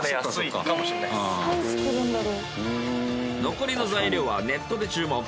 残りの材料はネットで注文。